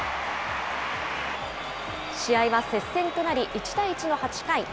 試合は接戦となり、１対１の８回。